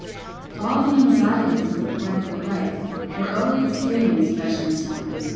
All the anxieties of a poetical life were early experienced by Shenstone.